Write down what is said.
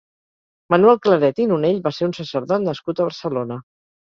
Manuel Claret i Nonell va ser un sacerdot nascut a Barcelona.